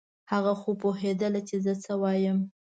هغه خو پوهېدله چې زه څه وایم.